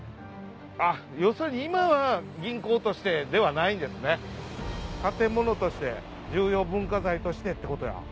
要するに今は銀行としてではないんですね。建物として重要文化財としてってことや。